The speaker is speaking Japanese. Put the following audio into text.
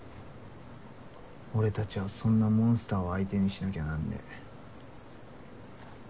俺たちはそんなモンスターを相手にしなきゃなんねぇ。